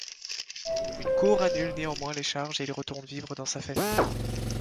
Une cour annule néanmoins les charges et il retourne vivre dans sa famille.